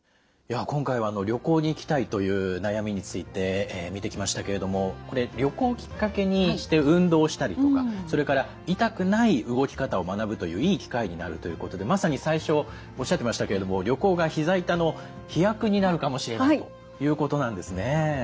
今回は旅行に行きたいという悩みについて見てきましたけれどもこれ旅行をきっかけにして運動したりとかそれから痛くない動き方を学ぶといういい機会になるということでまさに最初おっしゃってましたけれども旅行がひざ痛の秘薬になるかもしれないということなんですね。